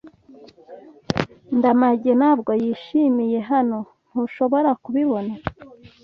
Ndamage ntabwo yishimiye hano. Ntushobora kubibona?